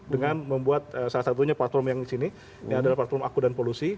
dengan membuat salah satunya platform yang di sini ini adalah platform aku dan polusi